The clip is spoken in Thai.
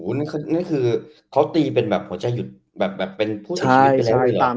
อ๋อโหนี่คือนี่คือเขาตีเป็นแบบหัวใจหยุดแบบแบบเป็นผู้เสียชีวิตไปแล้ว